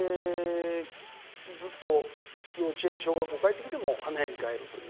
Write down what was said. ずっと幼稚園小学校帰ってきても花屋に帰るという。